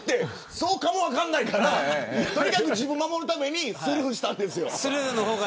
そうかも分からないからとにかく自分を守るためにスルーしたんですよ。